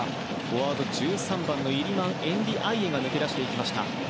フォワード、１３番のイリマン・エンディアイエが抜け出していきました。